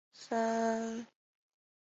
龙胆与雪绒花同属典型的和药用植物。